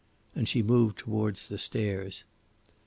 And she moved towards the stairs.